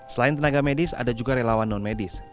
selain tenaga medis ada juga relawan non medis